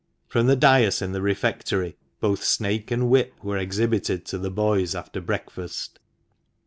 From the dais in the refectory both snake and whip were exhibited to the boys after breakfast.